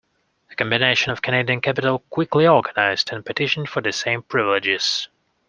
A combination of Canadian capital quickly organized and petitioned for the same privileges.